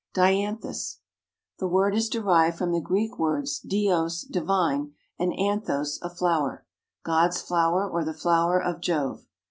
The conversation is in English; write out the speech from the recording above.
DIANTHUS. The word is derived from the Greek words Dios, divine, and Anthos, a flower; God's flower, or the flower of Jove.